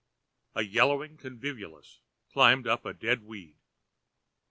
A yellowing convolvulus climbed up a dead weed.